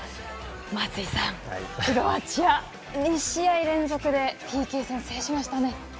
松井さん、クロアチア２試合連続でＰＫ戦を制しましたね。